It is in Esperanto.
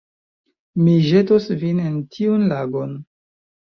Mi ĵetos vin en tiun lagon